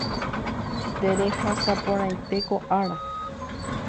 Terehasaporãite ko ára